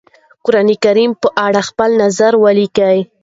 قرآنکريم په اړه خپل نظر وليکی؟